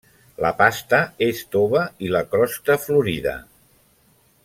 La pasta és tova i la crosta florida.